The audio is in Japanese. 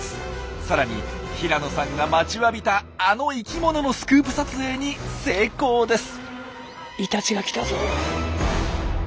さらに平野さんが待ちわびたあの生きもののスクープ撮影に成功です！